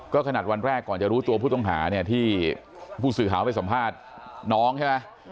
ก็ขนาดวันแรกก่อนจะรู้ตัวผู้ต้องหาเนี่ยที่ผู้สื่อข่าวไปสัมภาษณ์น้องใช่ไหม